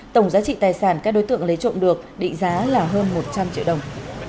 tổng giá trị tài sản các đối tượng lấy trộm được định giá là hơn một trăm linh triệu đồng